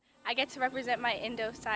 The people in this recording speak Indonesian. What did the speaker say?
saya dapat mewakili tanda indosan